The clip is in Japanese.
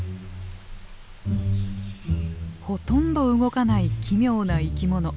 ほとんど動かない奇妙な生き物。